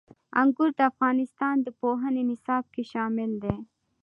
انګور د افغانستان د پوهنې نصاب کې شامل دي.